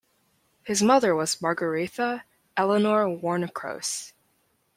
His mother was Margaretha Eleanore Warnekros.